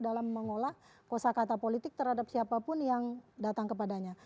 dalam mengolah kosa kata politik terhadap siapapun yang datang kepadanya